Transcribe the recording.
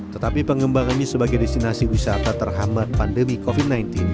tetapi pengembangannya sebagai destinasi wisata terhambat pandemi covid sembilan belas